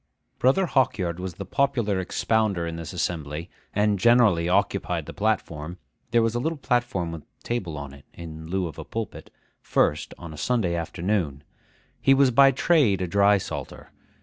Brother Hawkyard was the popular expounder in this assembly, and generally occupied the platform (there was a little platform with a table on it, in lieu of a pulpit) first, on a Sunday afternoon. He was by trade a drysalter.